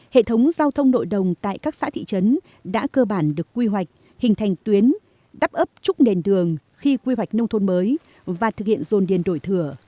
hệ thống giao thông nội đồng tại các xã thị trấn đã cơ bản được quy hoạch hình thành tuyến đắp ấp trúc nền đường khi quy hoạch nông thôn mới và thực hiện dồn điền đổi thửa